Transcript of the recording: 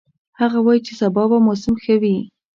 هغه وایي چې سبا به موسم ښه وي